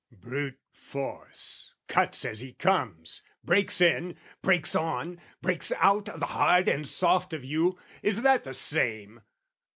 Brute force Cuts as he comes, breaks in, breaks on, breaks out O' the hard and soft of you: is that the same?